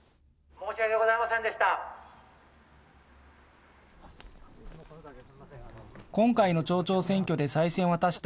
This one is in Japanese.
申し訳ございませんでした。